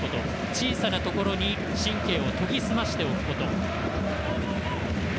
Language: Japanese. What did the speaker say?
小さなところに神経を研ぎ澄ましておくこと。